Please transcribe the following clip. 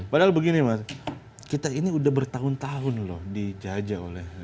padahal begini mas kita ini udah bertahun tahun loh dijajah oleh